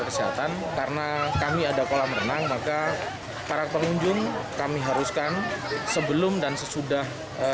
kesehatan karena kami ada kolam renang maka para pengunjung kami haruskan sebelum dan sesudah